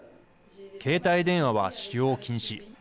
携帯電話は使用禁止。